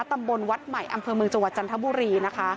ตำบลวัดใหม่อำเภอเมืองจังหวัดจันทบุรีนะคะ